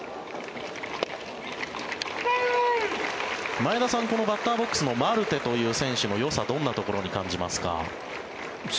前田さんこのバッターボックスのマルテという選手のよさはどんなところに感じますか？